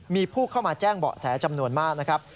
มีผู้เข้ามาแจ้งเบาะแสจำนวนมากนะครับ